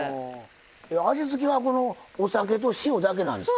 味付けはこのお酒と塩だけなんですか？